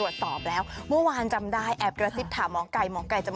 สวัสดีครับมอไก่ครับ